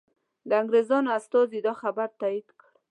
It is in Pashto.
د انګریزانو استازي دا خبر تایید کړ.